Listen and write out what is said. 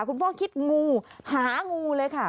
คุณพ่อคิดงูหางูเลยค่ะ